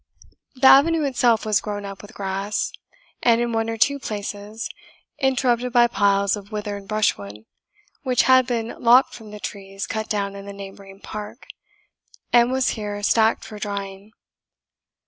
The avenue itself was grown up with grass, and, in one or two places, interrupted by piles of withered brushwood, which had been lopped from the trees cut down in the neighbouring park, and was here stacked for drying.